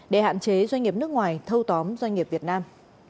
để hạn chế doanh nghiệp nước ngoài thâu tóm doanh nghiệp việt nam